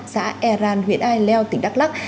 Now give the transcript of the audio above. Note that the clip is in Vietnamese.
xã eran huyện ai leo tỉnh đắk lắc